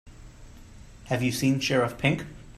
Have you seen Sheriff Pink?